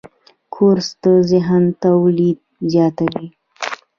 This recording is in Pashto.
کورس د ذهن تولید زیاتوي.